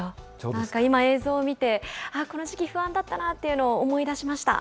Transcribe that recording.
なんか今映像を見て、この時期不安だったなというのを思い出しました。